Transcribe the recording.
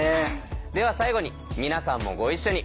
では最後に皆さんもご一緒に。